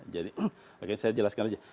jadi saya jelaskan saja